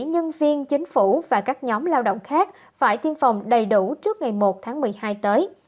nhân viên chính phủ và các nhóm lao động khác phải tiêm phòng đầy đủ trước ngày một tháng một mươi hai tới